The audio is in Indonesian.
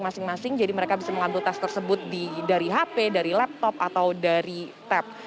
mereka bisa mengambil tes tersebut dari hp dari laptop atau dari tab